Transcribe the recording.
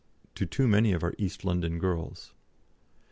to too many of our East London girls."